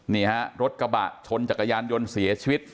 นี่ฮะรถกระบะชนจักรยานยนต์เสียชีวิต